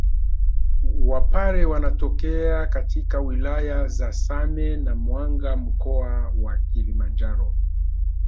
Wapare wanatokea katika wilaya za Same na Mwanga mkoa wa Kilimanjaro